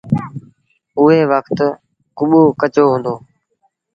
اُئي وکت ڪٻو ڪچو هُݩدو۔